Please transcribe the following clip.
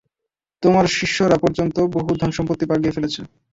তোমার শিষ্যরা পর্যন্ত বহু ধনসম্পত্তি বাগিয়ে ফেলেছে।